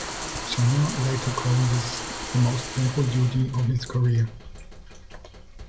Sumner later called this the most painful duty of his career.